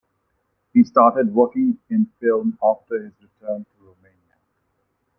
He started working in film after his return to Romania.